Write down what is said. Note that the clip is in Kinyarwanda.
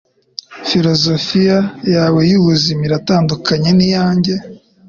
Filozofiya yawe yubuzima iratandukanye niyanjye